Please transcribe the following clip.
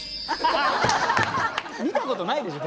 見たことないでしょ？